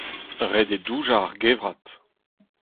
Ret eo doujañ ar gevrat.